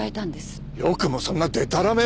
よくもそんなでたらめを！